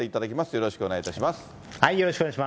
よろしくお願いします。